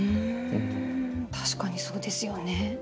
確かにそうですよね。